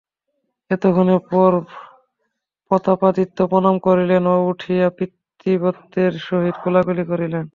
এতক্ষণের পর প্রতাপাদিত্য প্রণাম করিলেন ও উঠিয়া পিতৃব্যের সহিত কোলাকুলি করিলেন।